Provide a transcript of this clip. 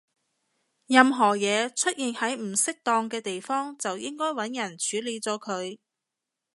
任何嘢出現喺唔適當嘅地方，就應該搵人處理咗佢